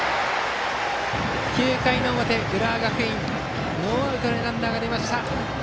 ９回の表、浦和学院ノーアウトのランナーが出ました。